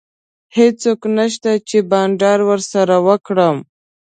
هیڅوک نشته چي بانډار ورسره وکړم.